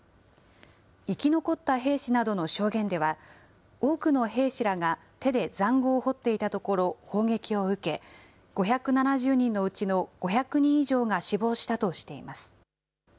生き残った兵士などの証言では、多くの兵士らが手でざんごうを掘っていたところ、砲撃を受け、５７０人のうちの５００人以上が死亡したとしています。